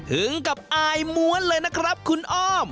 ถึงกับอายม้วนเลยนะครับคุณอ้อม